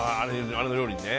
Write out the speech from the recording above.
あの料理にね。